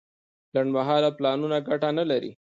لنډمهاله پلانونه ګټه نه لري.